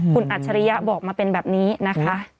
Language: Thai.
คุณอัจฉริยะบอกมาเป็นแบบนี้นะคะ